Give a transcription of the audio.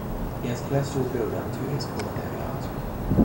He has cholesterol buildup to his coronary artery.